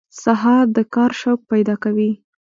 سهار د کار شوق پیدا کوي.